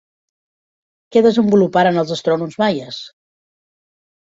Què desenvoluparen els astrònoms maies?